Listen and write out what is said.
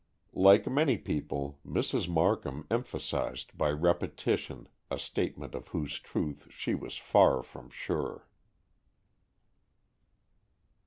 Like many people, Mrs. Markham emphasized by repetition a statement of whose truth she was far from sure.